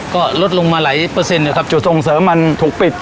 ก็ลดลงมาหลายเปอร์เซ็นต์นะครับจุดส่งเสริมมันถูกปิด